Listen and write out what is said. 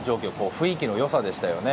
雰囲気の良さでしたね。